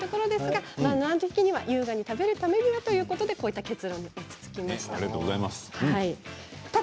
けれど優雅に食べるためにということでこういった結論に落ち着きました。